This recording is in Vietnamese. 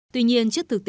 tuy nhiên trước thực tế